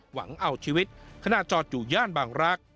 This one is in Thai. หวังเอาชีวิตขณะจอดอยู่ย่านบางรัก